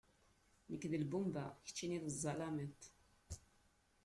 Nekk d lbumba, keččini d zzalimiḍ.